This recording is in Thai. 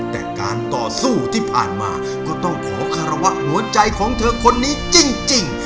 แต่การต่อสู้ที่ผ่านมาก็ต้องขอคารวะหัวใจของเธอคนนี้จริง